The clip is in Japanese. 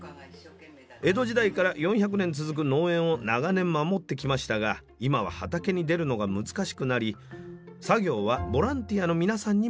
江戸時代から４００年続く農園を長年守ってきましたが今は畑に出るのが難しくなり作業はボランティアの皆さんに任せています。